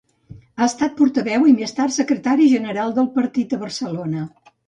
Ha estat portaveu i més tard secretari general del partit a Barcelona.